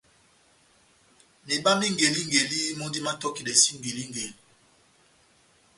Mihiba má ingelingeli mɔ́ndi mátɔkidɛsɛ ingelingeli.